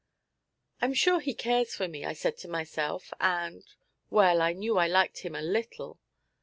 "I'm sure he cares for me," I said to myself, and well, I knew I liked him a little.